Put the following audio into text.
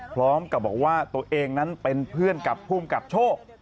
พร้อมกับบอกว่าตัวเองนั้นเป็นเพื่อนกับภูมิกับโชค